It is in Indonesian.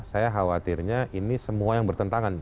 saya khawatirnya ini semua yang bertentangan